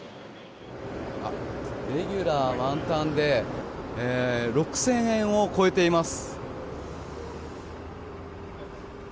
レギュラー満タンで６０００円を超えています。